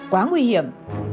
quá nguy hiểm